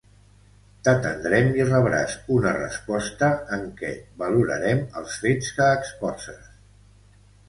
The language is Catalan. T'atendrem i rebràs una resposta en què valorarem els fets que exposes.